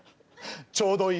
ちょうどいい。